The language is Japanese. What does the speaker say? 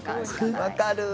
分かる。